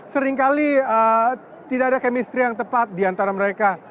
seringkali tidak ada chemistry yang tepat diantara mereka